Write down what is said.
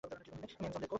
তিনিও একজন লেখক।